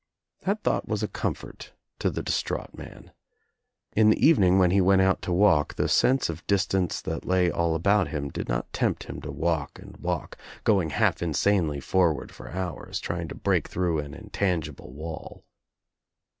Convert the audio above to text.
That thought was a comfort to the distraught man. In the evening when he went out to walk the sense of distance that lay all about him did not tempt him to walk and walk, going half insanely forward for hours, trying to break through an intangible wall.